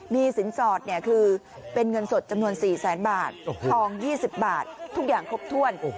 มีสินสอดคือเป็นเงินสดจำนวน๔แสนบาททอง๒๐บาททุกอย่างครบถ้วน